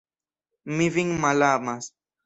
Mi vin malamas!